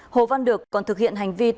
hồ văn được còn thực hiện hành vi tổng hợp